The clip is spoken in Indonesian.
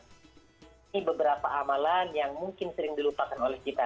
ini beberapa amalan yang mungkin sering dilupakan oleh kita